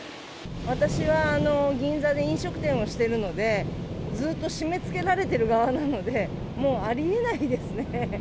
私は銀座で飲食店をしてるので、ずっと締め付けられてる側なので、もうありえないですね。